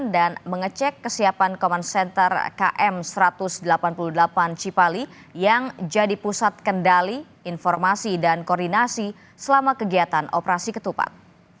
dan mengecek kesiapan command center km satu ratus delapan puluh delapan cipali yang jadi pusat kendali informasi dan koordinasi selama kegiatan operasi ketupat